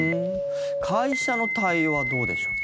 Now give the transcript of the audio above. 会社の対応はどうでしょう？